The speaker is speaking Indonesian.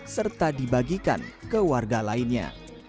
serta dibagikan ke warga lainnya